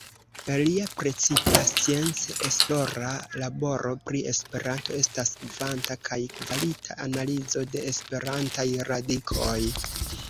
Lia precipa scienc-esplora laboro pri Esperanto estas kvanta kaj kvalita analizo de Esperantaj radikoj.